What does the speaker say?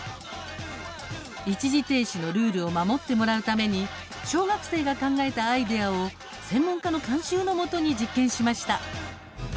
一時停止のルールを守ってもらうために小学生が考えたアイデアを専門家の監修のもとに実験しました。